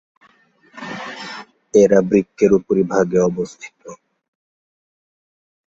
এরা বৃক্কের উপরিভাগে অবস্থিত।